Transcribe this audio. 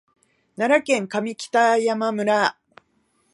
奈良県上北山村